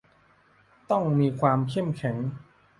ต้องมีความเข้มแข็ง